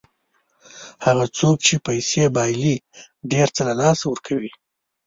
هغه څوک چې پیسې بایلي ډېر څه له لاسه ورکوي.